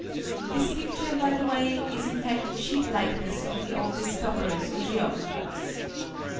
This picture, by the way, is in fact a cheap likeness of the old discoverers or geographers.